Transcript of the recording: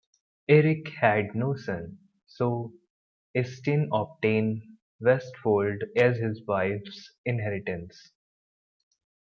Erik had no son, so Eystein obtained Vestfold as his wife's inheritance.